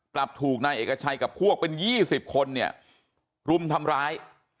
กลับถูกนายเอกชัยกับพวกเป็น๒๐คนเนี่ยรุมทำร้าย